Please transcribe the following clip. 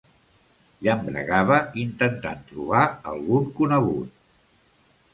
Llambregava intentant trobar algun conegut.